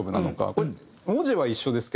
これ文字は一緒ですけど。